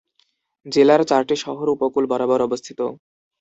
জেলার চারটি শহর উপকূল বরাবর অবস্থিত।